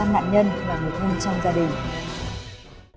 nạn nhân là người thương trong gia đình